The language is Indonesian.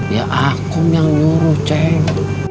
ya aku yang nyuruh ceng